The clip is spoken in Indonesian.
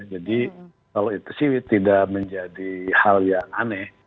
jadi kalau itu sih tidak menjadi hal yang aneh